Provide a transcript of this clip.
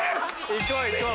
行こう行こう